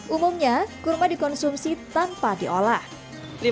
umumnya kurma hitam ini memiliki rasa yang unik serta diyakinya memiliki khasiat yang beragam